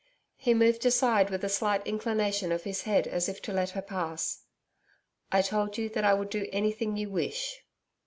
He moved aside with a slight inclination of his head as if to let her pass. 'I told you that I would do anything you wish.'